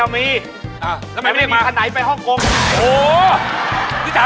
มีความรู้สึกว่า